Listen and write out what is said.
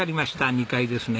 ２階ですね。